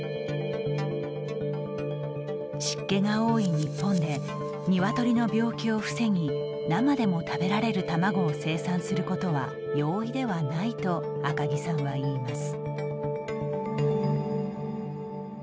「湿気が多い日本で鶏の病気を防ぎ生でも食べられる卵を生産することは容易ではない」と赤木さんは言います。